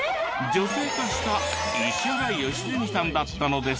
女性化した石原良純さんだったのです。